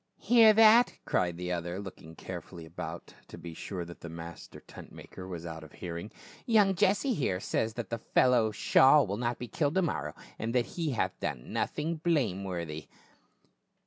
" Hear that," cried the other, looking carefully about to be sure that the master tent maker was out of hearing. " Young Jesse, here, says that the fellow Shaul will not be killed to morrow, and that he hath done nothing blameworthy